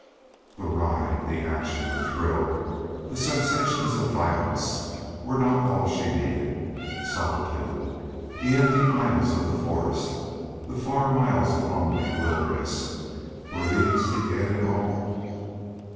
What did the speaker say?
The ride, the action, the thrill, the sensations of violence were not all she needed. Solitude, the empty aisles of the forest, the far miles of lonely wilderness were these the added all?